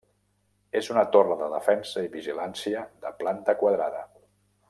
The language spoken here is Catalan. És una torre de defensa i vigilància de planta quadrada.